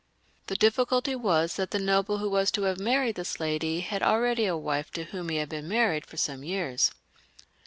The difficulty was that the noble who was to have married this lady had already a wife to whom he had been married for some years.